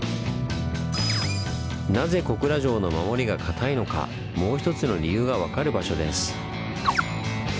なぜ小倉城の守りが堅いのかもうひとつの理由が分かる場所です。